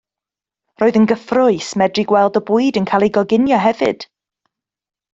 Roedd yn gyffrous medru gweld y bwyd yn cael ei goginio hefyd.